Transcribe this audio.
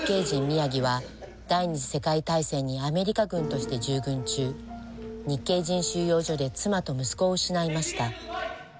ミヤギは第２次世界大戦にアメリカ軍として従軍中日系人収容所で妻と息子を失いました。